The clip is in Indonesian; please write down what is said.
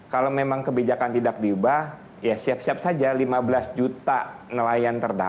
kalau memang kebijakan tidak diubah ya siap siap saja lima belas juta nelayan terdapat